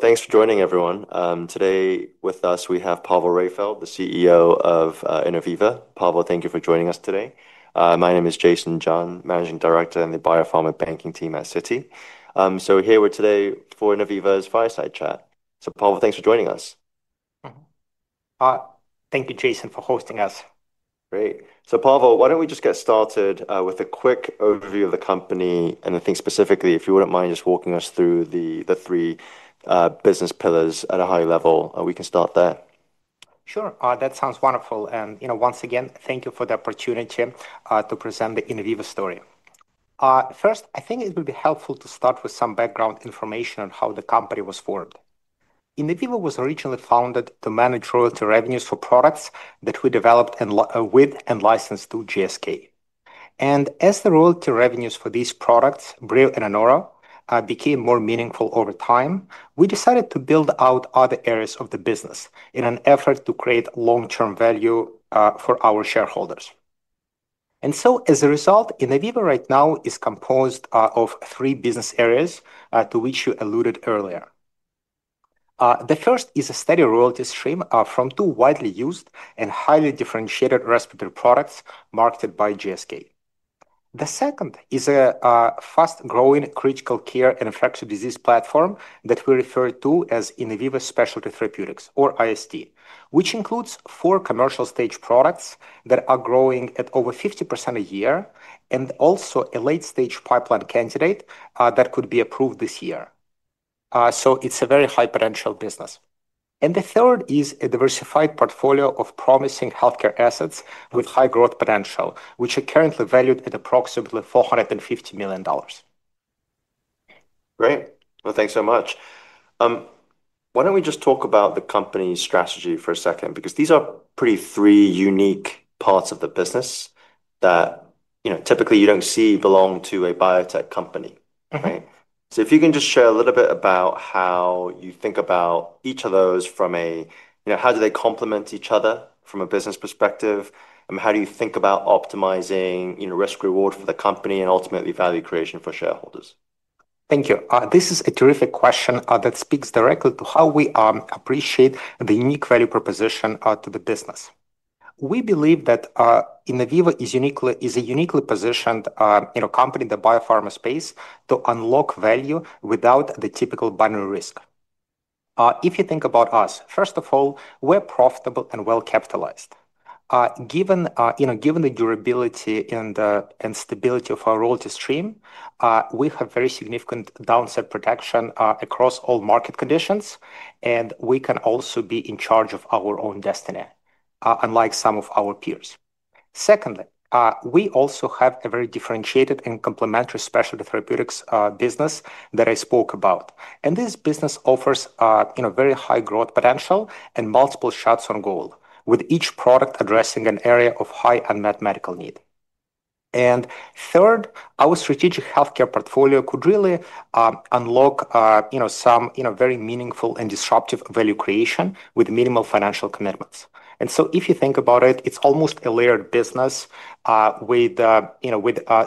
Thank you for joining, everyone. Today with us, we have Pavel Raifeld, the CEO of Innoviva. Pavel, thank you for joining us today. My name is Jason John, Managing Director in the Bio Pharma Banking team at Citi. We are here today for Innoviva's Fireside Chat. Pavel, thanks for joining us. Thank you, Jason, for hosting us. Great. Pavel, why don't we just get started with a quick overview of the company? I think specifically, if you wouldn't mind just walking us through the three business pillars at a high level, we can start there. Sure. That sounds wonderful. Thank you for the opportunity to present the Innoviva story. First, I think it would be helpful to start with some background information on how the company was formed. Innoviva was originally founded to manage royalty revenues for products that we developed with and licensed through Glaxo Group Limited (GSK). As the royalty revenues for these products, BREO and ANORO, became more meaningful over time, we decided to build out other areas of the business in an effort to create long-term value for our shareholders. As a result, Innoviva right now is composed of three business areas to which you alluded earlier. The first is a steady royalty stream from two widely used and highly differentiated respiratory products marketed by GSK. The second is a fast-growing critical care and infectious disease platform that we refer to as Innoviva Specialty Therapeutics, or IST, which includes four commercial-stage products that are growing at over 50% a year and also a late-stage pipeline candidate that could be approved this year. It is a very high-potential business. The third is a diversified portfolio of promising healthcare assets with high growth potential, which are currently valued at approximately $450 million. Great. Thanks so much. Why don't we just talk about the company's strategy for a second? These are pretty three unique parts of the business that, you know, typically you don't see belong to a biotech company, right? If you can just share a little bit about how you think about each of those from a, you know, how do they complement each other from a business perspective? How do you think about optimizing, you know, risk-reward for the company and ultimately value creation for shareholders? Thank you. This is a terrific question that speaks directly to how we appreciate the unique value proposition to the business. We believe that Innoviva is a uniquely positioned company in the biopharma space to unlock value without the typical binary risk. If you think about us, first of all, we're profitable and well capitalized. Given the durability and stability of our royalty stream, we have very significant downside protection across all market conditions, and we can also be in charge of our own destiny, unlike some of our peers. We also have a very differentiated and complementary specialty therapeutics business that I spoke about. This business offers very high growth potential and multiple shots on goal, with each product addressing an area of high unmet medical need. Our strategic healthcare portfolio could really unlock some very meaningful and disruptive value creation with minimal financial commitments. If you think about it, it's almost a layered business with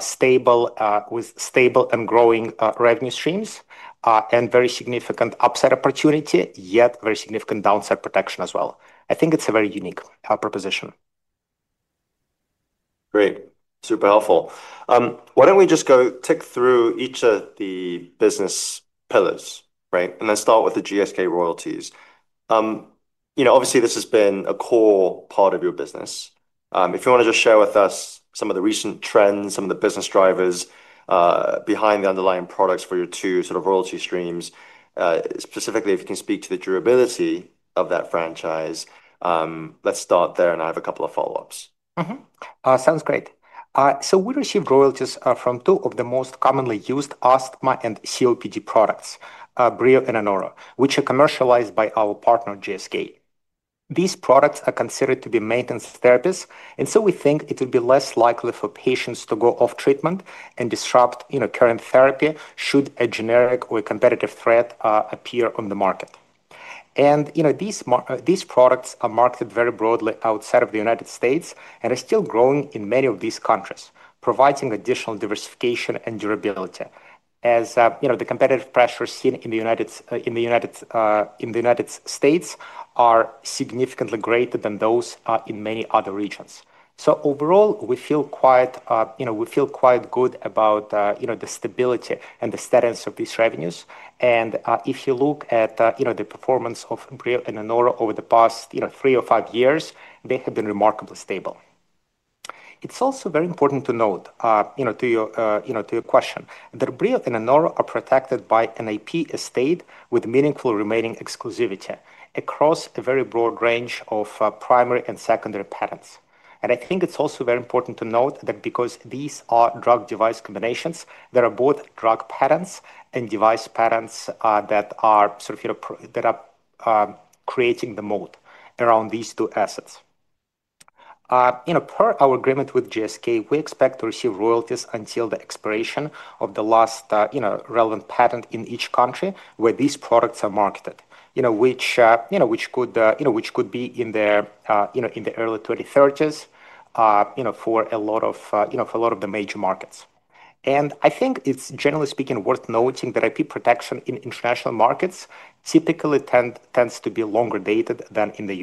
stable and growing revenue streams and very significant upside opportunity, yet very significant downside protection as well. I think it's a very unique proposition. Great. Super helpful. Why don't we just go tick through each of the business pillars, right? Let's start with the GSK royalties. This has been a core part of your business. If you want to just share with us some of the recent trends, some of the business drivers behind the underlying products for your two sort of royalty streams, specifically if you can speak to the durability of that franchise, let's start there. I have a couple of follow-ups. Sounds great. We receive royalties from two of the most commonly used asthma and COPD products, BREO and ANORO, which are commercialized by our partner, Glaxo Group Limited (GSK). These products are considered to be maintenance therapies, so we think it would be less likely for patients to go off treatment and disrupt current therapy should a generic or a competitive threat appear on the market. These products are marketed very broadly outside of the United States and are still growing in many of these countries, providing additional diversification and durability, as the competitive pressures seen in the United States are significantly greater than those in many other regions. Overall, we feel quite good about the stability and the steadiness of these revenues. If you look at the performance of BREO and ANORO over the past three or five years, they have been remarkably stable. It's also very important to note, to your question, that BREO and ANORO are protected by an IP estate with meaningful remaining exclusivity across a very broad range of primary and secondary patents. I think it's also very important to note that because these are drug-device combinations, there are both drug patents and device patents that are creating the moat around these two assets. Per our agreement with Glaxo Group Limited (GSK), we expect to receive royalties until the expiration of the last relevant patent in each country where these products are marketed, which could be in the early 2030s for a lot of the major markets. I think it's, generally speaking, worth noting that IP protection in international markets typically tends to be longer dated than in the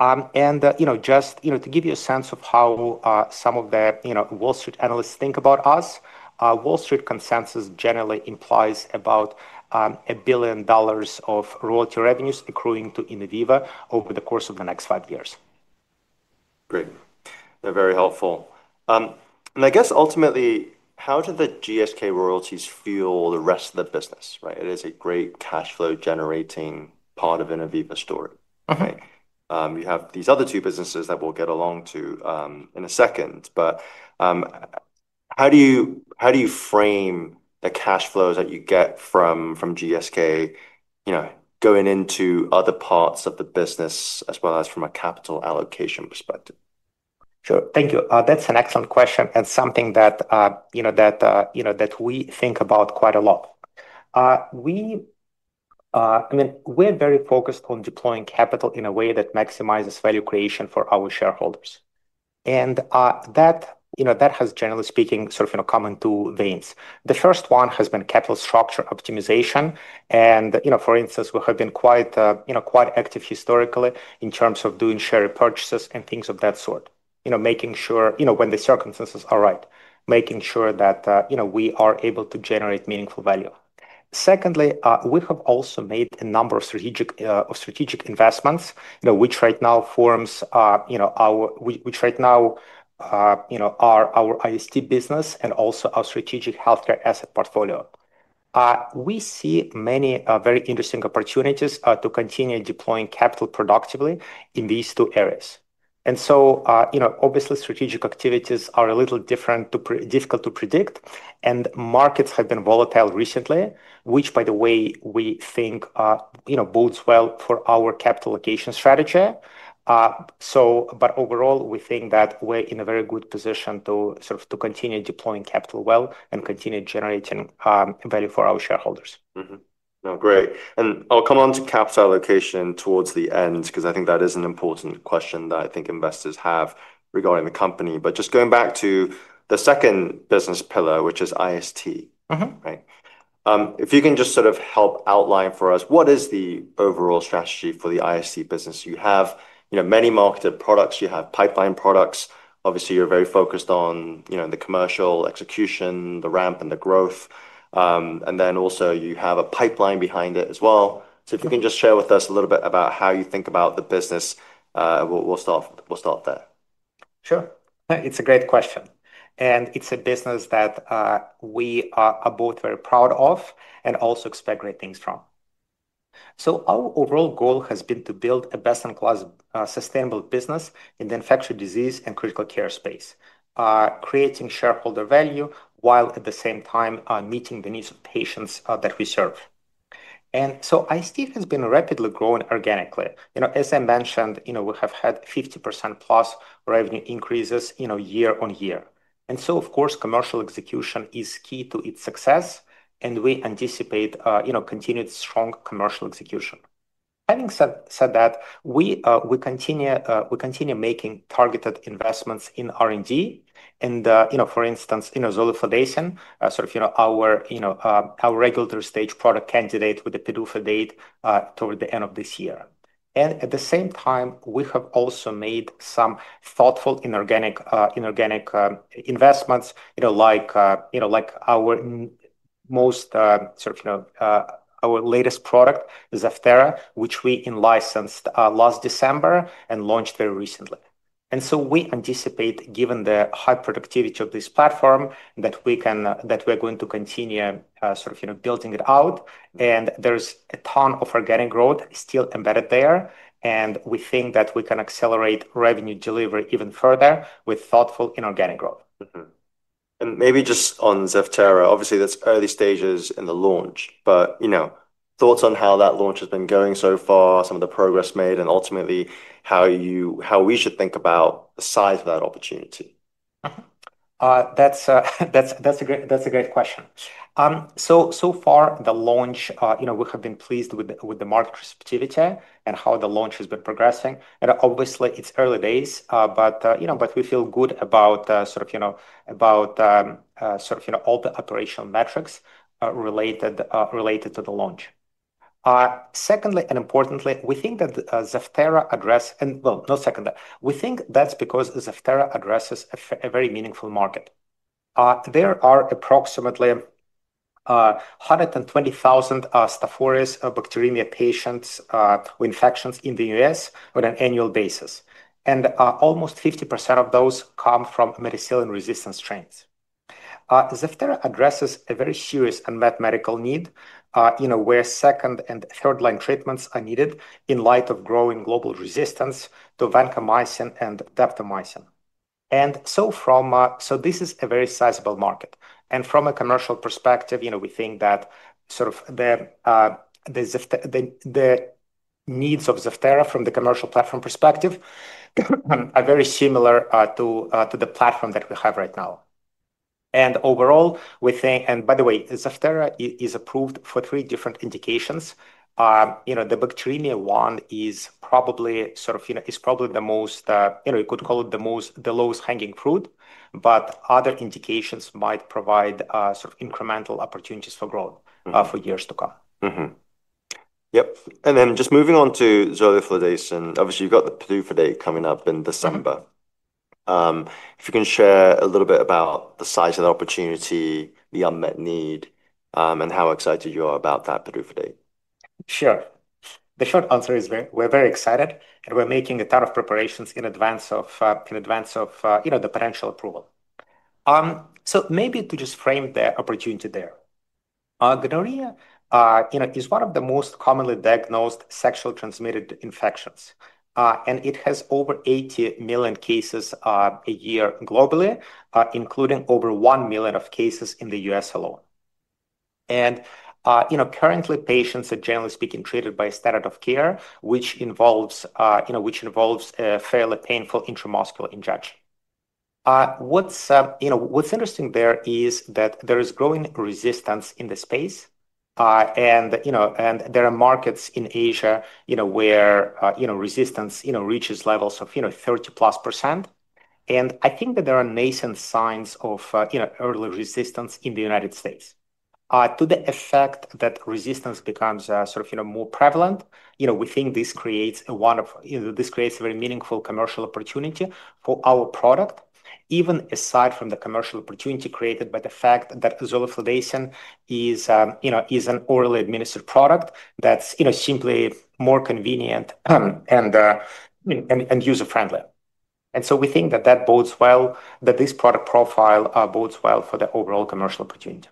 U.S. Just to give you a sense of how some of the Wall Street analysts think about us, Wall Street consensus generally implies about $1 billion of royalty revenues accruing to Innoviva over the course of the next five years. Great. They're very helpful. I guess ultimately, how do the GSK royalties fuel the rest of the business, right? It is a great cash flow generating part of Innoviva's story, right? You have these other two businesses that we'll get along to in a second. How do you frame the cash flows that you get from GSK, you know, going into other parts of the business, as well as from a capital allocation perspective? Sure. Thank you. That's an excellent question and something that we think about quite a lot. I mean, we're very focused on deploying capital in a way that maximizes value creation for our shareholders. That has, generally speaking, sort of come in two veins. The first one has been capital structure optimization. For instance, we have been quite active historically in terms of doing share purchases and things of that sort, making sure when the circumstances are right, making sure that we are able to generate meaningful value. Secondly, we have also made a number of strategic investments, which right now forms our Innoviva Specialty Therapeutics business and also our strategic healthcare asset portfolio. We see many very interesting opportunities to continue deploying capital productively in these two areas. Obviously, strategic activities are a little different and difficult to predict. Markets have been volatile recently, which, by the way, we think bodes well for our capital allocation strategy. Overall, we think that we're in a very good position to continue deploying capital well and continue generating value for our shareholders. No, great. I'll come on to capital allocation towards the end because I think that is an important question that investors have regarding the company. Just going back to the second business pillar, which is IST, right? If you can just sort of help outline for us, what is the overall strategy for the IST business? You have many marketed products. You have pipeline products. Obviously, you're very focused on the commercial execution, the ramp, and the growth. You also have a pipeline behind it as well. If you can just share with us a little bit about how you think about the business, we'll start there. Sure. It's a great question. It's a business that we are both very proud of and also expect great things from. Our overall goal has been to build a best-in-class sustainable business in the infectious disease and critical care space, creating shareholder value while at the same time meeting the needs of patients that we serve. IST has been rapidly growing organically. As I mentioned, we have had 50%+ revenue increases year on year. Of course, commercial execution is key to its success, and we anticipate continued strong commercial execution. Having said that, we continue making targeted investments in R&D. For instance, zoliflodacin, sort of our regulatory stage product candidate, with the pivotal data toward the end of this year. At the same time, we have also made some thoughtful inorganic investments, like our latest product, ZEVTERA, which we licensed last December and launched very recently. We anticipate, given the high productivity of this platform, that we are going to continue building it out. There's a ton of organic growth still embedded there, and we think that we can accelerate revenue delivery even further with thoughtful inorganic growth. Maybe just on ZEVTERA, obviously, that's early stages in the launch. You know, thoughts on how that launch has been going so far, some of the progress made, and ultimately how we should think about the size of that opportunity? That's a great question. So far, the launch, we have been pleased with the market receptivity and how the launch has been progressing. Obviously, it's early days, but we feel good about sort of all the operational metrics related to the launch. Importantly, we think that ZEVTERA addresses a very meaningful market. There are approximately 120,000 Staph aureus bacteremia patients with infections in the U.S. on an annual basis, and almost 50% of those come from medicinal resistance strains. ZEVTERA addresses a very serious unmet medical need where second and third-line treatments are needed in light of growing global resistance to vancomycin and daptomycin. This is a very sizable market. From a commercial perspective, we think that the needs of ZEVTERA from the commercial platform perspective are very similar to the platform that we have right now. Overall, we think, and by the way, ZEVTERA is approved for three different indications. The bacteremia one is probably the most, you know, you could call it the most, the lowest hanging fruit. Other indications might provide incremental opportunities for growth for years to come. Yep. Just moving on to zoliflodacin, and obviously, you've got the PDUFA date coming up in December. If you can share a little bit about the size of the opportunity, the unmet need, and how excited you are about that PDUFA date. Sure. The short answer is we're very excited, and we're making a ton of preparations in advance of the potential approval. Maybe to just frame the opportunity there, gonorrhea is one of the most commonly diagnosed sexually transmitted infections. It has over 80 million cases a year globally, including over one million cases in the U.S. alone. Currently, patients are, generally speaking, treated by a standard of care, which involves a fairly painful intramuscular injection. What's interesting there is that there is growing resistance in the space. There are markets in Asia where resistance reaches levels of 30% plus. I think that there are nascent signs of early resistance in the United States. To the effect that resistance becomes sort of more prevalent, we think this creates a very meaningful commercial opportunity for our product, even aside from the commercial opportunity created by the fact that zoliflodacin is an orally administered product that's simply more convenient and user-friendly. We think that that bodes well, that this product profile bodes well for the overall commercial opportunity.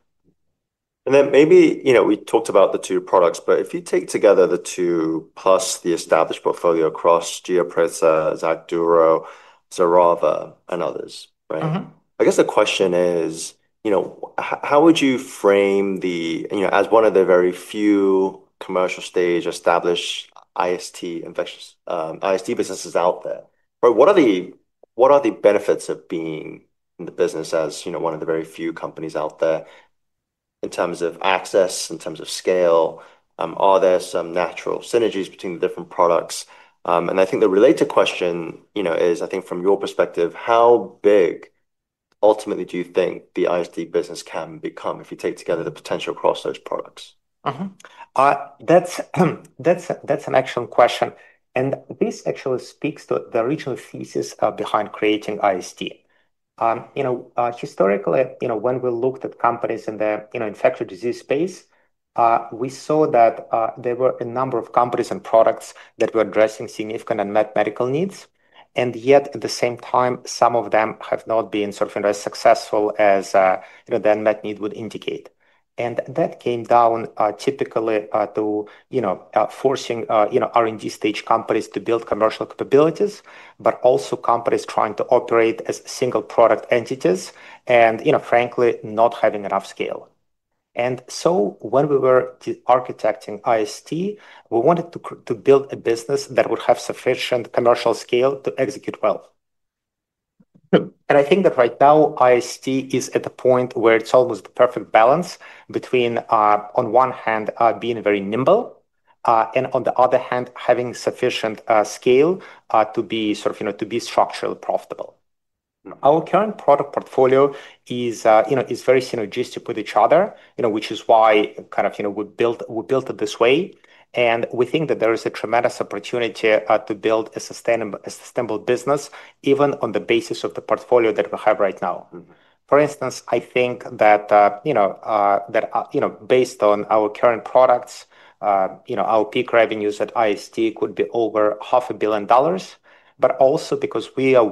Maybe we talked about the two products, but if you take together the two plus the established portfolio across GIAPREZA, XACDURO, XERAVA, and others, right? I guess the question is, you know, how would you frame the, you know, as one of the very few commercial-stage established IST businesses out there? What are the benefits of being in the business as one of the very few companies out there in terms of access, in terms of scale? Are there some natural synergies between the different products? I think the related question is, I think from your perspective, how big ultimately do you think the IST business can become if you take together the potential across those products? That's an excellent question. This actually speaks to the original thesis behind creating IST. Historically, when we looked at companies in the infectious disease space, we saw that there were a number of companies and products that were addressing significant unmet medical needs. Yet, at the same time, some of them have not been as successful as the unmet need would indicate. That came down typically to forcing R&D stage companies to build commercial capabilities, but also companies trying to operate as single product entities and, frankly, not having enough scale. When we were architecting IST, we wanted to build a business that would have sufficient commercial scale to execute well. I think that right now IST is at the point where it's almost the perfect balance between, on one hand, being very nimble, and on the other hand, having sufficient scale to be structurally profitable. Our current product portfolio is very synergistic with each other, which is why we built it this way. We think that there is a tremendous opportunity to build a sustainable business, even on the basis of the portfolio that we have right now. For instance, I think that based on our current products, our peak revenues at IST could be over $500 million. Also, because we are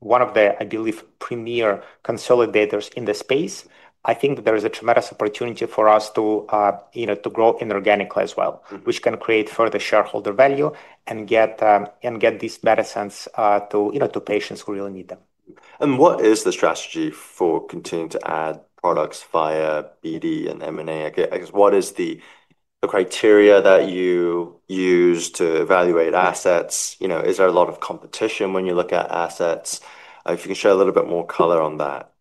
one of the, I believe, premier consolidators in the space, I think that there is a tremendous opportunity for us to grow inorganically as well, which can create further shareholder value and get these medicines to patients who really need them. What is the strategy for continuing to add products via BD and M&A? I guess what is the criteria that you use to evaluate assets? Is there a lot of competition when you look at assets? If you could share a little bit more color on that.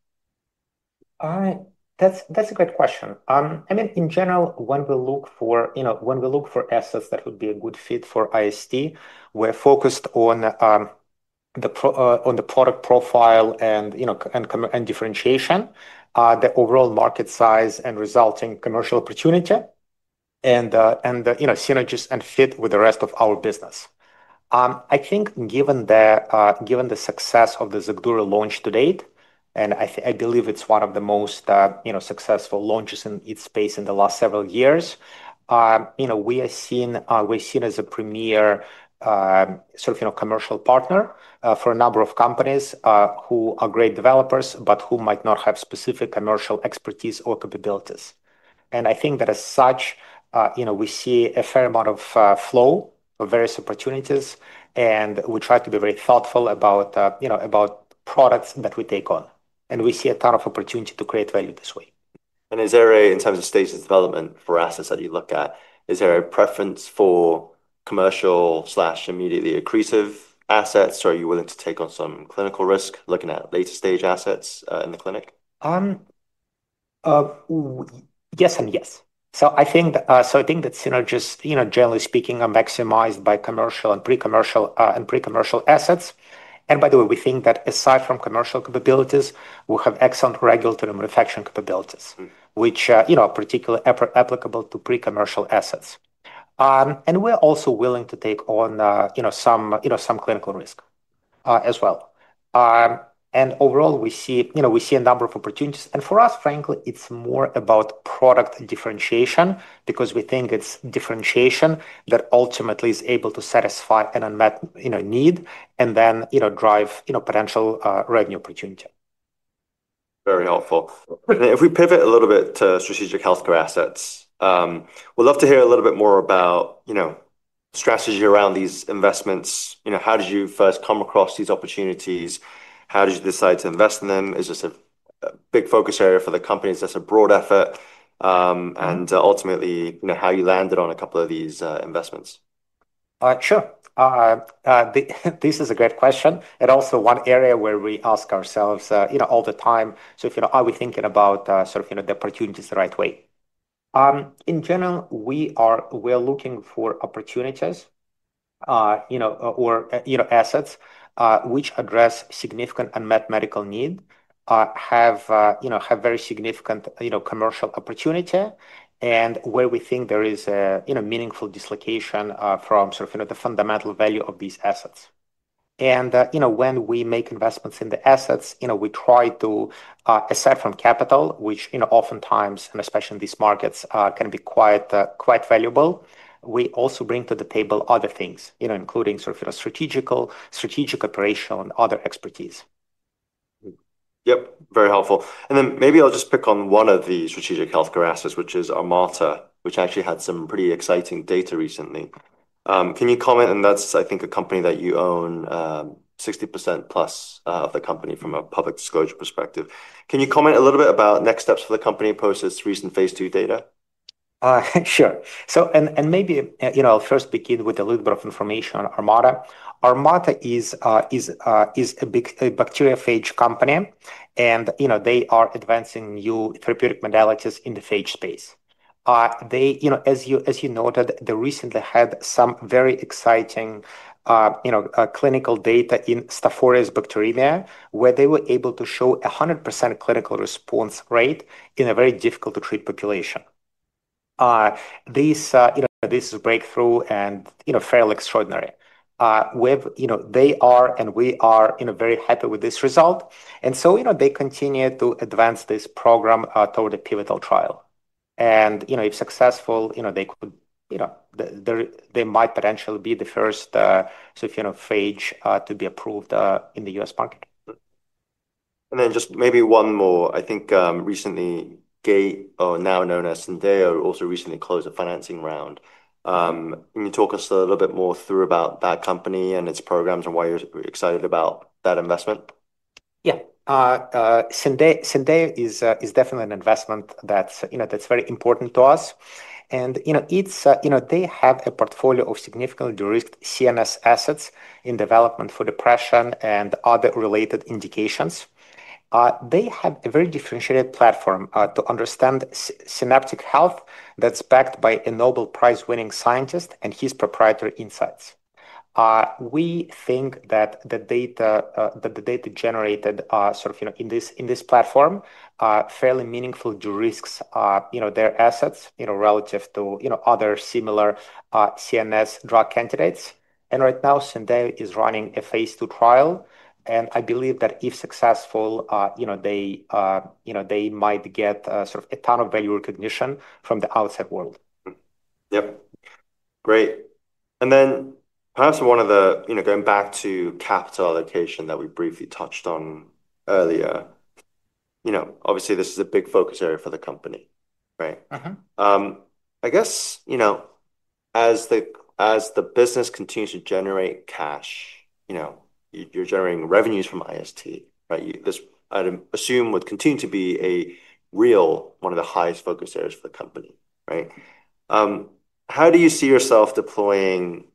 That's a great question. I mean, in general, when we look for assets that would be a good fit for IST, we're focused on the product profile and differentiation, the overall market size, the resulting commercial opportunity, and synergies and fit with the rest of our business. I think given the success of the XACDURO launch to date, and I believe it's one of the most successful launches in its space in the last several years, we are seen as a premier sort of commercial partner for a number of companies who are great developers, but who might not have specific commercial expertise or capabilities. I think that as such, we see a fair amount of flow of various opportunities, and we try to be very thoughtful about products that we take on. We see a ton of opportunity to create value this way. In terms of stage of development for assets that you look at, is there a preference for commercial or immediately accretive assets, or are you willing to take on some clinical risk looking at later stage assets in the clinic? Yes and yes. I think that synergists, generally speaking, are maximized by commercial and pre-commercial assets. By the way, we think that aside from commercial capabilities, we have excellent regulatory and manufacturing capabilities, which are particularly applicable to pre-commercial assets. We're also willing to take on some clinical risk as well. Overall, we see a number of opportunities. For us, frankly, it's more about product differentiation because we think it's differentiation that ultimately is able to satisfy an unmet need and then drive potential revenue opportunity. Very helpful. If we pivot a little bit to strategic healthcare assets, we'd love to hear a little bit more about the strategy around these investments. How did you first come across these opportunities? How did you decide to invest in them? Is this a big focus area for the company? Is this a broad effort? Ultimately, how you landed on a couple of these investments? Sure. This is a great question. It is also one area where we ask ourselves all the time if we are thinking about the opportunities the right way. In general, we are looking for opportunities or assets which address significant unmet medical need, have very significant commercial opportunity, and where we think there is a meaningful dislocation from the fundamental value of these assets. When we make investments in the assets, we try to, aside from capital, which oftentimes, and especially in these markets, can be quite valuable, also bring to the table other things, including strategic, operational, and other expertise. Yep. Very helpful. Maybe I'll just pick on one of the strategic healthcare assets, which is Armata Pharmaceuticals, which actually had some pretty exciting data recently. Can you comment, and that's, I think, a company that you own 60%+ of from a public disclosure perspective. Can you comment a little bit about next steps for the company, post its recent Phase 2 data? Sure. Maybe I'll first begin with a little bit of information on Armata. Armata is a bacteriophage company, and they are advancing new therapeutic modalities in the phage space. As you noted, they recently had some very exciting clinical data in Staph aureus bacteremia, where they were able to show a 100% clinical response rate in a very difficult-to-treat population. This is breakthrough and fairly extraordinary. They are, and we are, very happy with this result. They continue to advance this program toward a pivotal trial. If successful, they might potentially be the first phage to be approved in the U.S. market. Maybe one more. I think recently Gate, or now known as Sindeo, also recently closed a financing round. Can you talk us a little bit more through about that company and its programs and why you're excited about that investment? Yeah. Sindeo is definitely an investment that's very important to us. They have a portfolio of significantly derisked CNS assets in development for depression and other related indications. They have a very differentiated platform to understand synaptic health that's backed by a Nobel Prize-winning scientist and his proprietary insights. We think that the data generated in this platform fairly meaningfully derisks their assets relative to other similar CNS drug candidates. Right now, Sindeo is running a Phase 2 trial. I believe that if successful, they might get a ton of value recognition from the outside world. Great. Perhaps one of the, going back to capital allocation that we briefly touched on earlier, obviously this is a big focus area for the company, right? I guess, as the business continues to generate cash, you're generating revenues from IST, right? This, I assume, would continue to be a real, one of the highest focus areas for the company, right? How do you see yourself deploying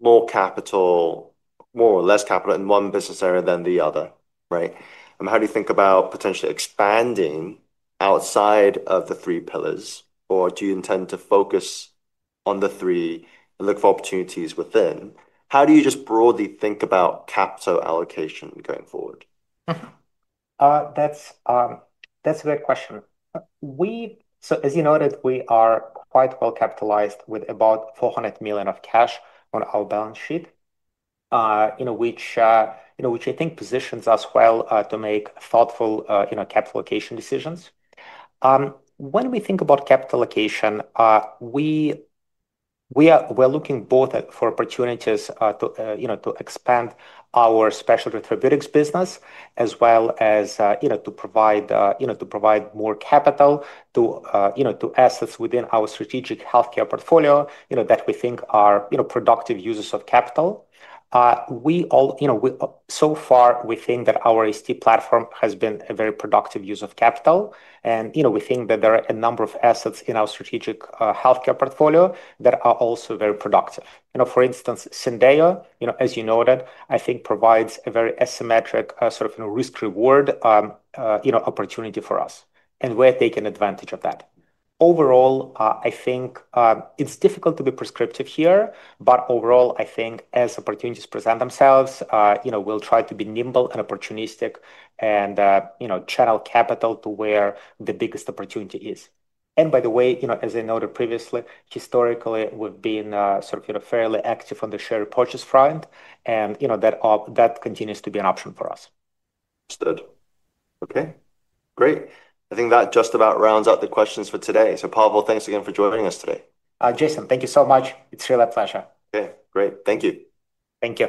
more capital, more or less capital in one business area than the other, right? How do you think about potentially expanding outside of the three pillars, or do you intend to focus on the three and look for opportunities within? How do you just broadly think about capital allocation going forward? That's a great question. As you noted, we are quite well capitalized with about $400 million of cash on our balance sheet, which I think positions us well to make thoughtful capital allocation decisions. When we think about capital allocation, we are looking both for opportunities to expand our specialty therapeutics business, as well as to provide more capital to assets within our strategic healthcare portfolio that we think are productive uses of capital. We think that our IST platform has been a very productive use of capital, and we think that there are a number of assets in our strategic healthcare portfolio that are also very productive. For instance, Sindeo, as you noted, I think provides a very asymmetric sort of risk-reward opportunity for us, and we're taking advantage of that. Overall, I think it's difficult to be prescriptive here, but as opportunities present themselves, we'll try to be nimble and opportunistic and channel capital to where the biggest opportunity is. By the way, as I noted previously, historically, we've been fairly active on the share purchase front, and that continues to be an option for us. Understood. Okay. Great. I think that just about rounds out the questions for today. Pavel, thanks again for joining us today. Jason, thank you so much. It's really a pleasure. Okay. Great. Thank you. Thank you.